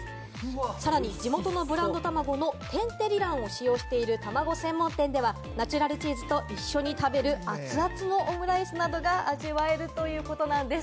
さらに地元のブランドたまご・天てり卵を使用しているたまご専門店では、ナチュラルチーズと一緒に食べる熱々のオムライスなどが味わえるということなんです。